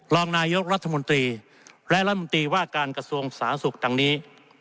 รองนายกรัฐมนตรีและรัฐมนตรีว่าการกระทรวงสาธารณสุขดังนี้